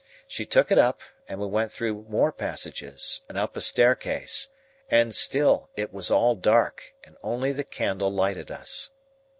She took it up, and we went through more passages and up a staircase, and still it was all dark, and only the candle lighted us.